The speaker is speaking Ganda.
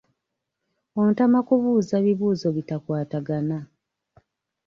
Ontama kubuuza bibuuzo bitakwatagana.